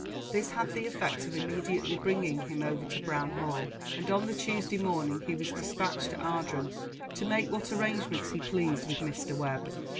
This had the effect of immediately bringing him over to Brown Hall, and on the Tuesday morning he was dispatched to Ardrum, to make what arrangements he pleased with Mr. Webb.